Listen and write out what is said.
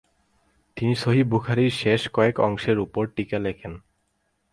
তিনি সহিহ বুখারীর শেষ কয়েক অংশের উপর টীকা লেখেন।